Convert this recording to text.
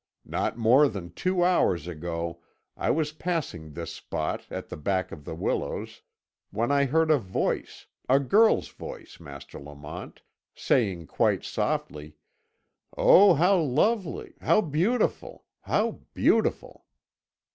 Not more than two hours ago I was passing this spot at the back of the willows, when I heard a voice a girl's voice, Master Lamont saying quite softly, 'Oh, how lovely! how beautiful how beautiful!'